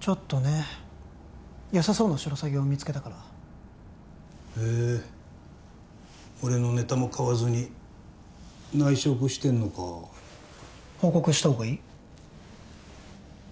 ちょっとねよさそうなシロサギを見つけたからへえ俺のネタも買わずに内職してんのか報告した方がいい？